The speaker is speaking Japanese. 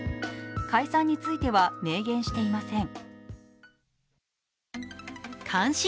解散については明言していません。